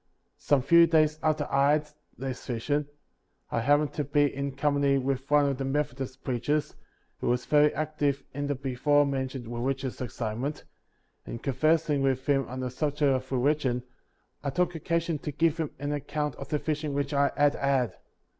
21. Some few days after I had this vision, I hap pened to be in company with one of the Methodist preachers, who was very active in the before men tioned religious excitement; and, conversing with him on the subject of religion, I took occasion to give him an account of the vision which I had had.